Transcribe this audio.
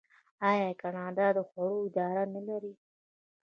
آیا کاناډا د خوړو اداره نلري؟